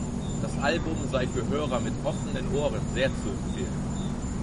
Das Album sei für Hörer mit offenen Ohren sehr zu empfehlen.